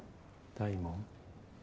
大門。